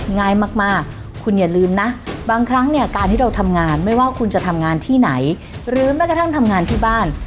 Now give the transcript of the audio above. ง่ายมากคุณอย่าลืมนะบางครั้งเนี่ยการที่เราทำงานไม่ว่าคุณจะทำงานที่ไหนหรือแม้กระทั่งทำงานที่บ้าน